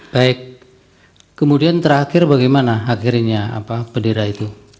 baik kemudian terakhir bagaimana akhirnya bendera itu